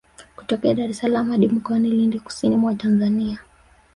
Kutokea Dar es salaam hadi mkoani Lindi kusini mwa Tanzania